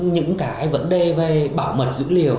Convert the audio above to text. những cái vấn đề về bảo vệ dữ liệu